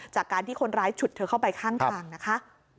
จากการที่คนร้ายฉุดเธอเข้าไปข้างทางนะคะ